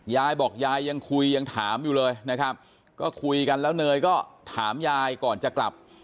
ยายบอกยายยังคุยยังถามอยู่เลยนะครับก็คุยกันแล้วเนยก็ถามยายก่อนจะกลับ